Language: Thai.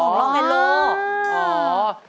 เพลงเจ้าพ่อมาร้องร้องแอโล